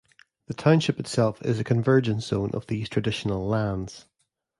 The township itself is a convergence zone of these traditional lands.